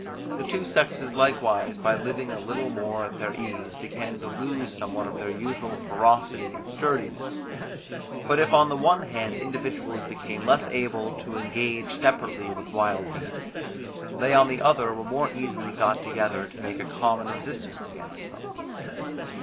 The two sexes likewise by living a little more at their ease began to lose somewhat of their usual ferocity and sturdiness; but if on the one hand individuals became less able to engage separately with wild beasts, they on the other were more easily got together to make a common resistance against them.